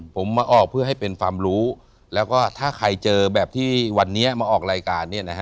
ผมมาออกเพื่อให้เป็นความรู้แล้วก็ถ้าใครเจอแบบที่วันนี้มาออกรายการเนี่ยนะฮะ